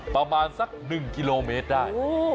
ประมาณสัก๑กิโลเมตรได้